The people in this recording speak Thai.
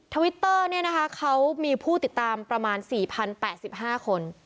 ทวิตเตอร์เนี่ยนะคะเขามีผู้ติดตามประมาณ๔๐๘๕คน